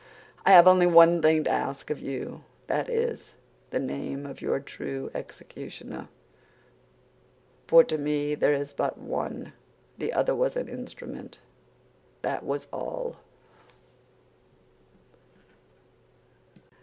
I have only one thing to ask of you; that is, the name of your true executioner. For to me there is but one; the other was an instrument, that was all."